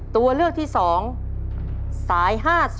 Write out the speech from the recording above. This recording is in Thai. ตัวเลือกที่๒สาย๕๒